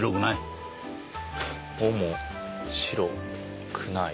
尾も白くない。